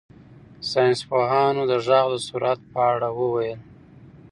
ساینس پوهانو د غږ د سرعت په اړه وویل.